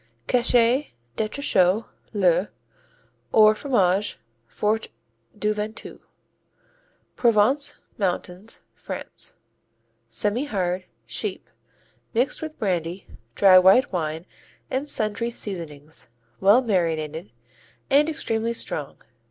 Cachet d'Entrechaux, le, or Fromage Fort du Ventoux Provence Mountains, France Semihard; sheep; mixed with brandy, dry white wine and sundry seasonings. Well marinated and extremely strong.